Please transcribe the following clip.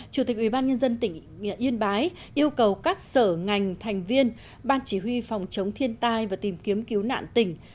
chủ tịch ubnd tỉnh yên bái yêu cầu các sở ngành thành viên ban chỉ huy phòng chống thiên tai và tìm kiếm cứu nạn tỉnh